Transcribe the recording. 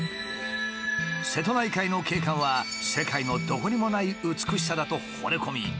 瀬戸内海の景観は世界のどこにもない美しさだとほれ込み